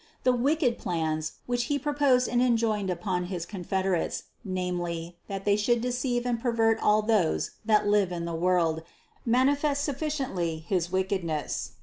The wicked plans which he proposed and enjoined upon his confederates, namely, that they should deceive and pervert all those that live in the world, manifest sufficiently his wickedness.